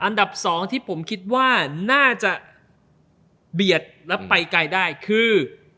อันดับสองที่ผมคิดว่าน่าจะเบียดแล้วไปไกลได้คือ